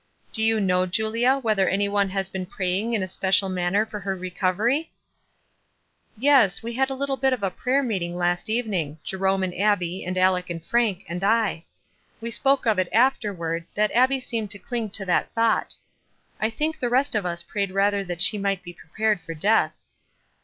Do you know, Julia, whether any one has been praying in a special manner for her recovery?" " Yes ; we had a little bit of a prayer meeting last evening — Jerome and Abbie, and Aleck 282 WISE AND OTHERWISE. and Frank, and I. We spoke of it afterward, that Abbie seemed to cling to that thought. 1 think the rest of us prayed rather that she might be prepared for death."